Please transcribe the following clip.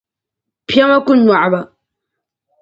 piɛma ku nyɔɣi ba.